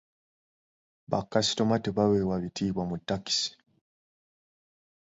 Bakasitoma tebaweebwa bitiibwa mu ttakisi.